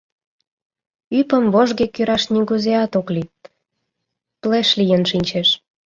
Ӱпым вожге кӱраш нигузеат ок лий — плеш лийын шинчеш.